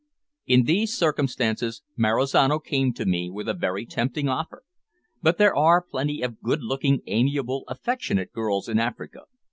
In these circumstances, Marizano came to me with a very tempting offer. But there are plenty of good looking, amiable, affectionate girls in Africa.